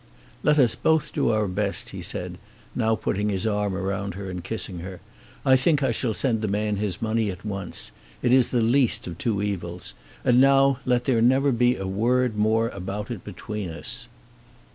"Let us both do our best," he said, now putting his arm round her and kissing her. "I think I shall send the man his money at once. It is the least of two evils. And now let there never be a word more about it between us."